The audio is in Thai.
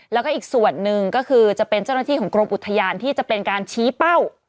แล้วก็อีกส่วนหนึ่งก็คือจะเป็นเจ้าหน้าที่ของกรมอุทยานที่จะเป็นการชี้เป้า